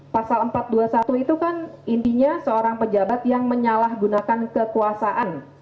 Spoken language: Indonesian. pasal empat ratus dua puluh satu itu kan intinya seorang pejabat yang menyalahgunakan kekuasaan